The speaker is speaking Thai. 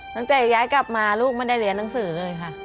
ตั้งแต่ย้ายกลับมาลูกไม่ได้เรียนหนังสือเลยค่ะ